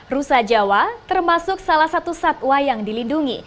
rusa jawa termasuk salah satu satwa yang dilindungi